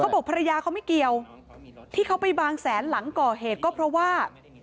บอกภรรยาเขาไม่เกี่ยวที่เขาไปบางแสนหลังก่อเหตุก็เพราะว่า